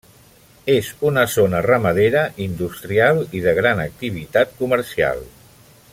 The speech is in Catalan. És una zona ramadera, industrial i de gran activitat comercial.